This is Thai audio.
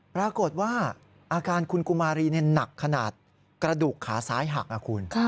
ปรากฏว่าอาการคุณกุมารีหนักขนาดกระดูกขาซ้ายหักนะคุณ